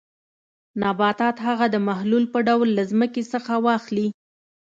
نباتات هغه د محلول په ډول له ځمکې څخه واخلي.